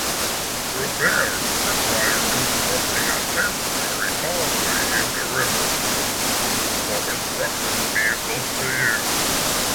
Repairs required constructing a temporary causeway in the river for construction vehicles to use.